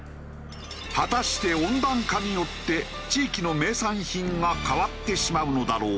果たして温暖化によって地域の名産品が変わってしまうのだろうか？